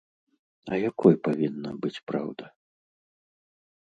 А якой павінна быць праўда?